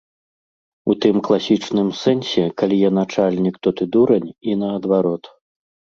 У тым класічным сэнсе, калі я начальнік, то ты дурань, і наадварот.